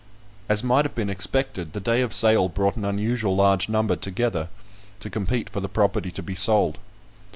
As might have been expected, the day of sale brought an unusual large number together to compete for the property to be sold.